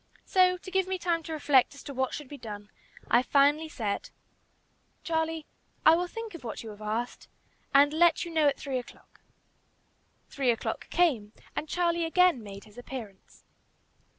So, to give me time to reflect as to what should be done, I finally said, "Charlie, I will think of what you have asked, and let you know at three o'clock." Three o'clock came, and Charlie again made his appearance.